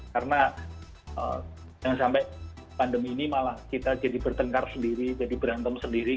karena jangan sampai pandemi ini malah kita jadi bertengkar sendiri jadi berantem sendiri